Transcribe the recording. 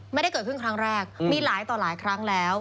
ไม่ได้เกิดขึ้นครั้งแรกมีหลายต่อหลายครั้งแล้ว